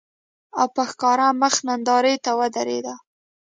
او په ښکاره مخ نندارې ته ودرېده